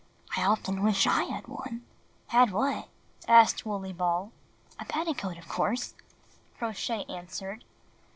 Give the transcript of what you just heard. "I often wish I had one." ^^Had what?" asked Wooley BaU. ''A petticoat, of course/' Crow Shay answered.